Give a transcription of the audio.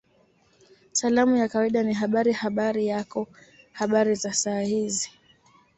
Salamu ya kawaida ni Habari Habari yako Habari za saa hizi